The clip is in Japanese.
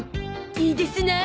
いいですな。